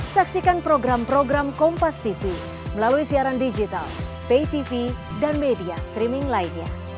saksikan program program kompastv melalui siaran digital paytv dan media streaming lainnya